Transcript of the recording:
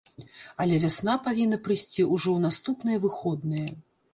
Але вясна павінна прыйсці ўжо ў наступныя выходныя.